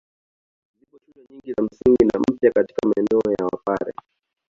Zipo shule nyingi za zamani na mpya katika maeneo ya Wapare.